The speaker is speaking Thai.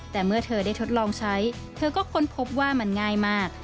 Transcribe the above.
แต่เมื่อเธอได้ทดลองใช้เธอก็ค้นพบว่ามันง่ายมาก